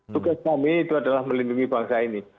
tugas kami itu adalah melindungi bangsa ini